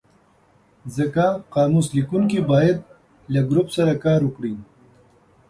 ځکه قاموس لیکونکی باید له ګروپ سره کار وکړي.